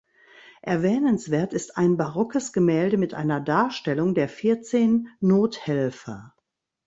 Erwähnenswert ist ein barockes Gemälde mit einer Darstellung der Vierzehn Nothelfer.